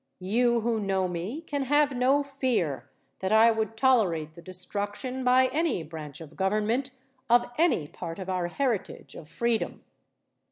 You who know me can have no fear that I would tolerate the destruction by any branch of government of any part of our heritage of freedom.